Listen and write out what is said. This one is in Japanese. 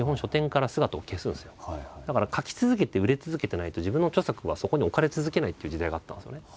だから描き続けて売れ続けてないと自分の著作はそこに置かれ続けないっていう時代があったんですよね。